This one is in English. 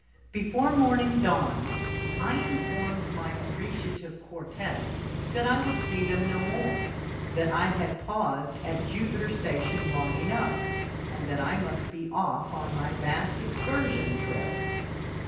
Before morning dawned I informed my appreciative quartette that I would see them no more, that I had paused at Jupiter station long enough, and that I must be off on my vast excursion trip.